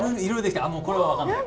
あもうこれは分かんない。